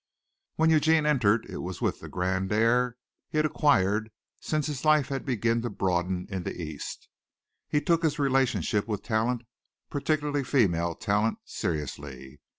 When Eugene entered it was with the grand air he had acquired since his life had begun to broaden in the East. He took his relationship with talent, particularly female talent, seriously.